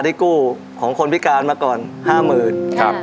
กู้ของคนพิการมาก่อน๕๐๐๐บาท